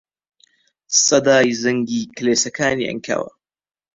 سەدای زەنگی کڵێسەکانی عەنکاوە